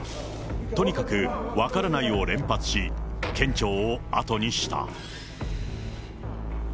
とにかく分からないを連発し、県庁を後にした。